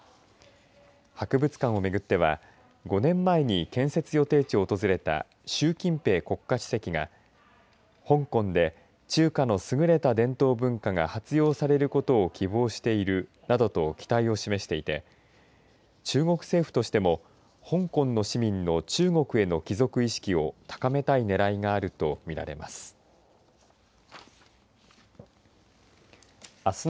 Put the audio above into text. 博物館を巡っては５年前に建設予定地を訪れた習近平国家主席が香港で中華の優れた伝統文化が発揚されることを希望しているなどと期待を示していて中国政府としても香港の市民の中国への帰属意識を高めたいねらいがあると見られます。